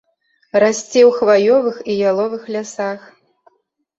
Расце ў хваёвых і яловых лясах.